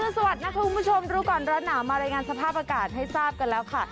สวัสดีนะคะคุณผู้ชมรู้ก่อนร้อนหนาวมารายงานสภาพอากาศให้ทราบกันแล้วค่ะ